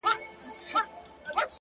هوښیار فکر له بیړې ځان ساتي